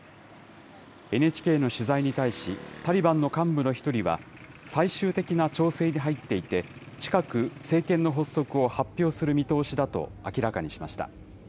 ＮＨＫの取材に対し、タリバンの幹部の一人は、最終的な調整に入っていて、近く、政権の発足を発表する見通しだと明らかにしました。